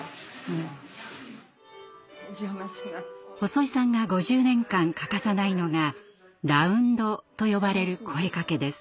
細井さんが５０年間欠かさないのが「ラウンド」と呼ばれる声かけです。